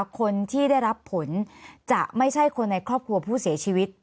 คนที่ได้รับผลจะไม่ใช่คนในครอบครัวผู้เสียชีวิต